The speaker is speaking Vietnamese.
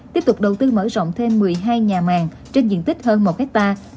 tiếp tục đầu tư mở rộng thêm một mươi hai nhà màng trên diện tích hơn một hectare